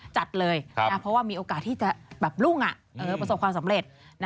จัดเลยเพราะว่ามีโอกาสที่จะแบบรุ่งประสบความสำเร็จ